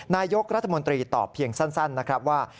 นายกรัฐมนตรีตอบเพียงสั้นนะครับว่า